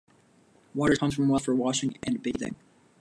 Water is pumped from wells for washing and bathing.